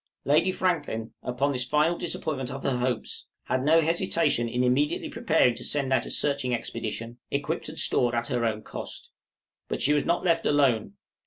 Lady Franklin, upon this final disappointment of her hopes, had no hesitation in immediately preparing to send out a searching expedition, equipped and stored at her own cost. But she was not left alone.